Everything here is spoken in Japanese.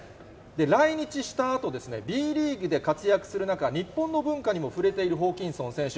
来日したあと、Ｂリーグで活躍する中、日本の文化にも触れているホーキンソン選手。